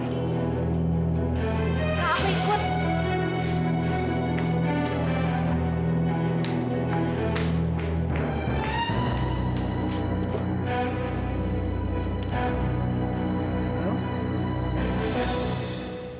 pak aku ikut